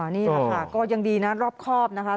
นี่แหละค่ะก็ยังดีนะรอบครอบนะคะ